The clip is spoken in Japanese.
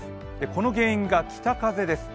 この原因が北風です。